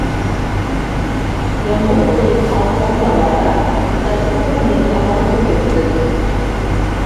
يامغۇر بولۇپ قالسام ناۋادا، دەردلىرىمنى تامان تۆكەتتىم.